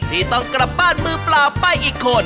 ที่ต้องกลับบ้านมือเปล่าไปอีกคน